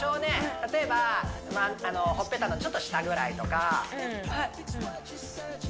例えばあのほっぺたのちょっと下ぐらいとかはい・